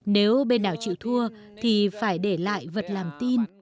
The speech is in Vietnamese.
nếu bên nào chịu thua thì phải để lại vật làm tin